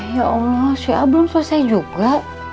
ya allah syia belum selesai juga